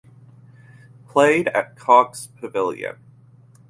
Played at Cox Pavilion.